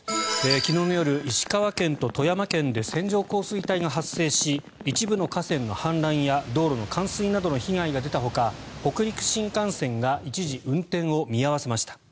昨日の夜、石川県と富山県で線状降水帯が発生し一部の河川の氾濫や道路の冠水などの被害が出たほか北陸新幹線が一時、運転を見合わせました。